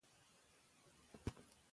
د ګډ پرمختګ زمینه د سولې په وسیله برابریږي.